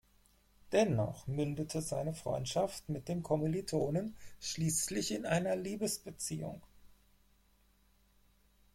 Dennoch mündete seine Freundschaft mit dem Kommilitonen schließlich in einer Liebesbeziehung.